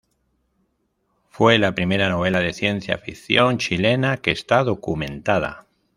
Fue la primera novela de ciencia ficción chilena que está documentada.